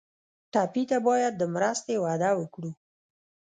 ټپي ته باید د مرستې وعده وکړو.